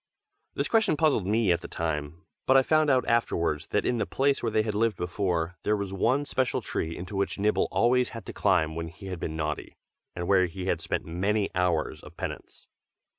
This question puzzled me at the time, but I found out afterwards that in the place where they had lived before, there was one special tree into which Nibble always had to climb when he had been naughty, and where he had spent many hours of penance.